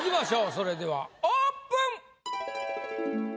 それではオープン！